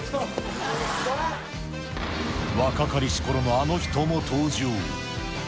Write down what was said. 若かりしころのあの人も登場。